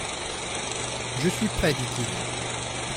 Je suis prêt, dit-il.